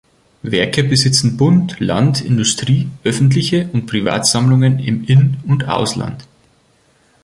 Werke besitzen Bund, Land, Industrie, öffentliche und Privatsammlungen im In- und Ausland.